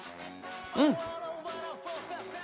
うん！